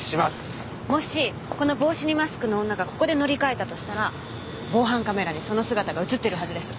もしこの帽子にマスクの女がここで乗り換えたとしたら防犯カメラにその姿が映ってるはずです。